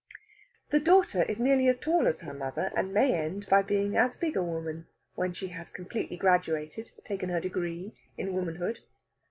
The daughter is nearly as tall as her mother, and may end by being as big a woman when she has completely graduated, taken her degree, in womanhood.